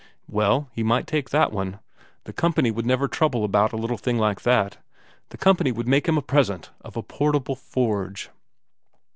Well, he might take that one the company would never trouble about a little thing like that the company would make him a present of a portable forge!